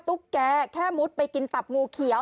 ตุ๊กแกแค่มุดไปกินตับงูเขียว